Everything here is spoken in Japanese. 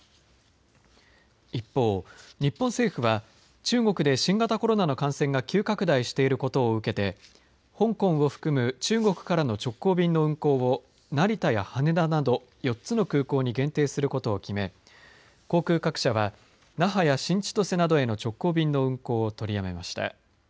一方、日本政府は中国で新型コロナの感染が急拡大していることを受けて香港を含む中国からの直行便の運航を成田や羽田など４つの空港に限定することを決め航空各社は那覇や新千歳などへの直行便の運航を取りやめました。